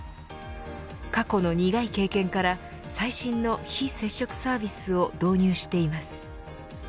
過去の苦い経験から最新の非接触サービスを導入しています。